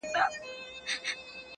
کله وعده کله انکار کله پلمه لګېږې -